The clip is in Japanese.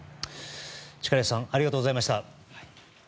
力石さんありがとうございました。